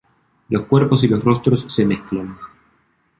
Los cuerpos y los rostros se mezclan.